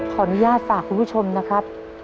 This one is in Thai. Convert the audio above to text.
ขออนุญาตฝากคุณผู้ชมนะครับ